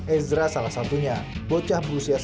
ezra salah satunya bocah berusia sebelas tahun